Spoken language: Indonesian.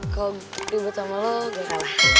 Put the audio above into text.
kalau ribut sama lo gue salah